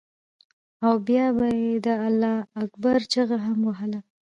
او بيا به یې د الله اکبر چیغه هم وهله.